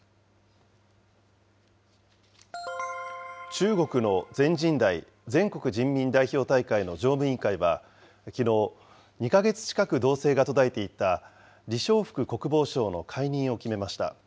中国の全人代・全国人民代表大会の常務委員会は、きのう、２か月近く動静が途絶えていた李尚福国防相の解任を決めました。